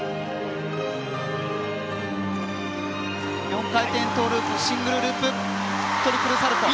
４回転トウループシングルループトリプルサルコウ。